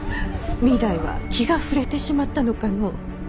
御台は気が触れてしまったのかのぅ。